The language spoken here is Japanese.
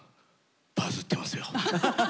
バズってますよ」。